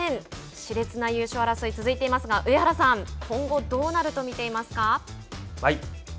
しれつな優勝争いが続いていますが、上原さん今後どうなると見ていますか。